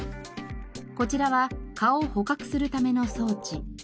こちらは蚊を捕獲するための装置。